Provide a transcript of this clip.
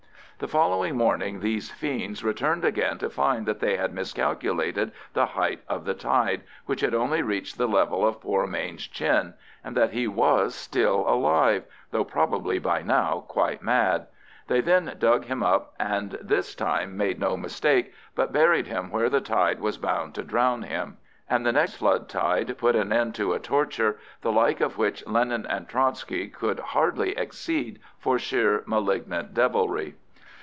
The following morning these fiends returned again to find that they had miscalculated the height of the tide, which had only reached the level of poor Mayne's chin, and that he was still alive, though probably by now quite mad. They then dug him up, and this time made no mistake, but buried him where the tide was bound to drown him. And the next flood tide put an end to a torture the like of which Lenin and Trotsky could hardly exceed for sheer malignant devilry.